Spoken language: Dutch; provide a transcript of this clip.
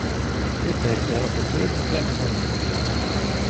Dit heeft de rapporteur beklemtoond.